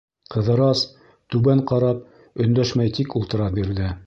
Ҡыҙырас, түбән ҡарап, өндәшмәй тик ултыра бирҙе.